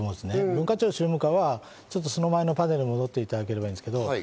文化庁宗務課はその前のパネルに戻っていただければいいんですけど。